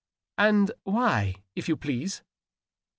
"And why, if you please?"